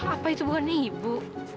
apa itu bukannya ibu